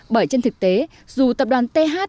bởi trên thực tế dù tập đoàn th